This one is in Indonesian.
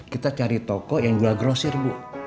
kita cari toko yang jual grosir bu